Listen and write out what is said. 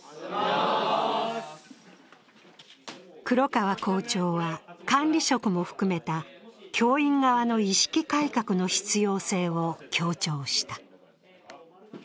黒川校長は、管理職も含めた教員側の意識改革の必要性を強調した。